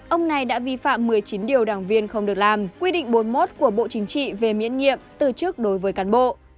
ông này đã vi phạm một mươi chín điều đảng viên không được làm quy định bốn mươi một của bộ chính trị về miễn nhiệm từ chức đối với cán bộ